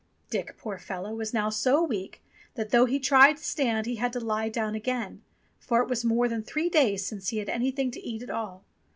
Dick, poor fellow, was now so weak that though he tried to stand he had to lie down again, for it was more than three days since he had had anything to eat at all.